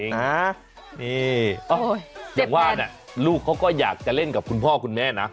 นี่อย่างว่าเนี่ยลูกเขาก็อยากจะเล่นกับคุณพ่อคุณแม่นะ